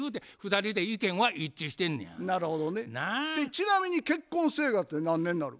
ちなみに結婚生活って何年になる？